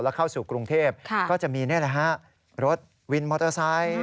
เข้าสู่กรุงเทพก็จะมีรถวินมอเตอร์ไซค์